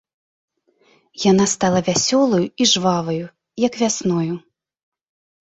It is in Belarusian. Яна стала вясёлаю і жваваю, як вясною.